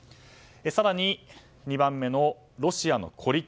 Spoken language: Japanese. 更に、２番目のロシアの孤立。